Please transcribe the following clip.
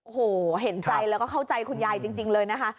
โอ้โหเห็นใจแล้วก็เข้าใจคุณยายจริงเลยนะคะ